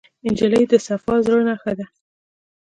نجلۍ د صفا زړه نښه ده.